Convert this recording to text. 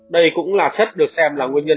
đây cũng là chất được xem là nguyên nhân